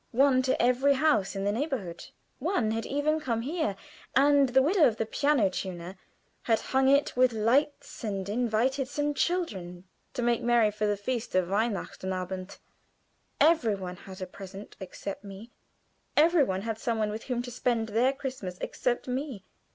One to every house in the neighborhood. One had even come here, and the widow of the piano tuner had hung it with lights and invited some children to make merry for the feast of Weihnachten Abend. Every one had a present except me. Every one had some one with whom to spend their Christmas except me.